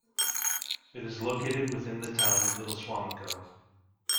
It is located within the town of Little Suamico.